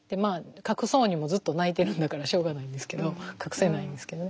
隠そうにもずっと泣いてるんだからしょうがないんですけど隠せないんですけど。